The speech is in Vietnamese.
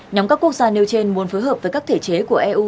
nhóm các quốc gia nêu trên muốn phối hợp với các thể chế của eu